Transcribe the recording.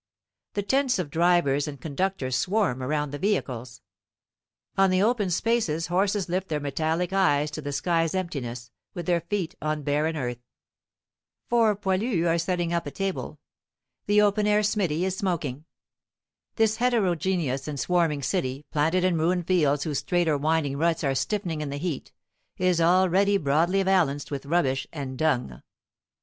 The tents of drivers and conductors swarm around the vehicles. On the open spaces horses lift their metallic eyes to the sky's emptiness, with their feet on barren earth. Four poilus are setting up a table. The open air smithy is smoking. This heterogeneous and swarming city, planted in ruined fields whose straight or winding ruts are stiffening in the heat, is already broadly valanced with rubbish and dung.